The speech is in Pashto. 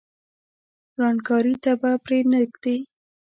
ورانکاري ته به پرې نه ږدي.